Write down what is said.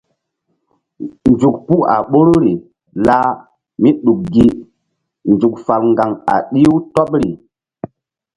Nzuk puh a ɓoruri lah míɗuk gi nzuk fal ŋgaŋ a ɗih-u tɔbri.